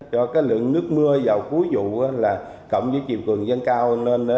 do lượng nước mưa vào cuối dụ cộng với chiều cường dân cao